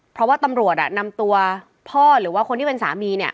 เพราะว่าตำรวจนำตัวพ่อหรือว่าคนที่เป็นสามีเนี่ย